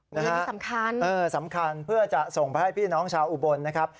อันนี้สำคัญสำคัญเพื่อจะส่งไปให้พี่น้องชาวอุบลนะครับ